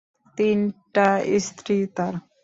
তিনটা স্ত্রী তার!